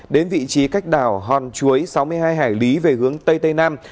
đến vị trí cách đảo hòn chuối sáu mươi hai hải lý về hướng tây tây nam